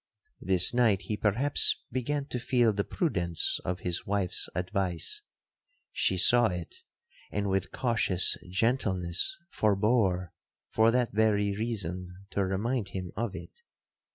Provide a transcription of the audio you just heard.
'This night he perhaps began to feel the prudence of his wife's advice;—she saw it, and with cautious gentleness forbore, for that very reason, to remind him of it.